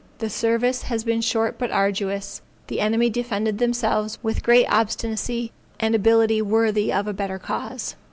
The service has been short but arduous; the enemy defended themselves with great obstinacy and ability worthy of a better cause.